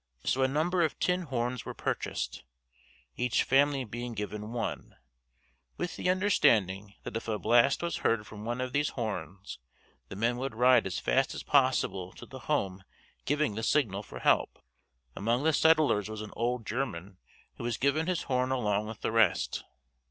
So a number of tin horns were purchased, each family being given one, with the understanding that if a blast was heard from one of these horns, the men would ride as fast as possible to the home giving the signal for help. Among the settlers was an old German who was given his horn along with the rest.